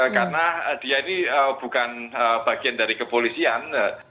karena dia ini bukan bagian dari kepolisian